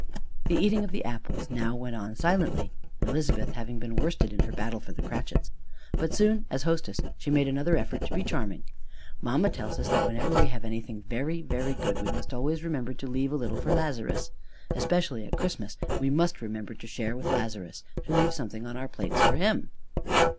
The eating of the apples now went on silently, Elizabeth having been worsted in her battle for the Cratchits. But soon as hostess she made another effort to be charming. "Mamma tells us that whenever we have anything very very good, we must always remember to leave a little for Lazarus. Especially at Christmas we must remember to share with Lazarus to leave something on our plates for him."